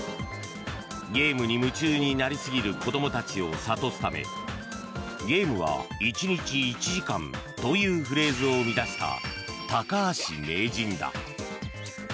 ゲームに夢中になりすぎる子どもたちを諭すため「ゲームは１日１時間」というフレーズを生み出した高橋名人だ。